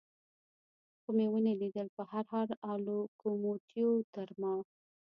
خو مې و نه لیدل، په هر حال لوکوموتیو تر ما.